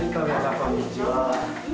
こんにちは。